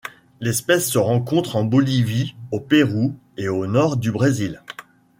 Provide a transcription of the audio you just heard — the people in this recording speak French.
L'espèce se rencontre en Bolivie, au Pérou et au nord du Brésil.